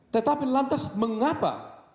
tetapi lantas mengapa